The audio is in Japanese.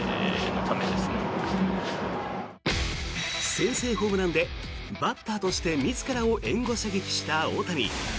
先制ホームランでバッターとして自らを援護射撃した大谷。